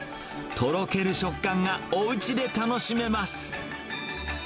とろける食感がおうちで楽しめます。